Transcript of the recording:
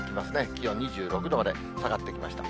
気温２６度まで下がってきました。